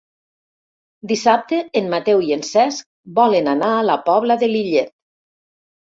Dissabte en Mateu i en Cesc volen anar a la Pobla de Lillet.